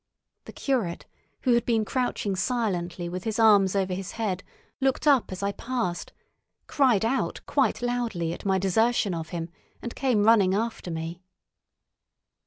The curate, who had been crouching silently with his arms over his head, looked up as I passed, cried out quite loudly at my desertion of him, and came running after me.